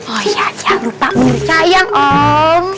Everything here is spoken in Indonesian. oh ya jangan lupa cayang om